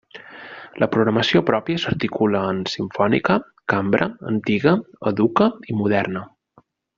La programació pròpia s'articula en: simfònica, cambra, antiga, educa i moderna.